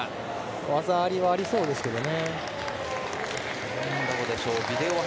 技ありはありそうですね。